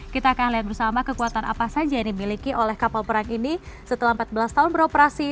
kita akan lihat bersama kekuatan apa saja yang dimiliki oleh kapal perang ini setelah empat belas tahun beroperasi